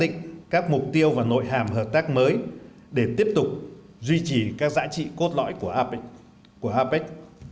apec cần xác định các mục tiêu và nội hàm hợp tác mới để tiếp tục duy trì các giá trị cốt lõi của apec